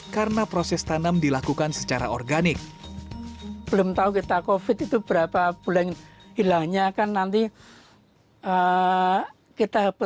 karena proses tanam dilakukan secara organik